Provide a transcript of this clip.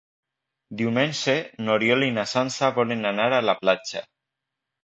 Diumenge n'Oriol i na Sança volen anar a la platja.